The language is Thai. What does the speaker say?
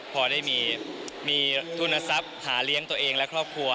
พอได้มีทุนทรัพย์หาเลี้ยงตัวเองและครอบครัว